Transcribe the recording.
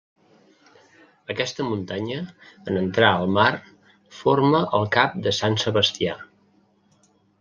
Aquesta muntanya, en entrar al mar, forma el cap de Sant Sebastià.